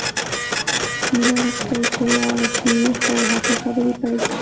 مینه غوښتل چې لاړه شي خو هغه خبرې پیل کړې